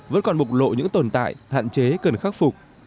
vẫn còn bộc lộ những tồn tại hạn chế cần khắc phục